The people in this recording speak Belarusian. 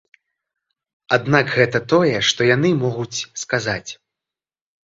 Аднак гэта тое, што яны могуць сказаць.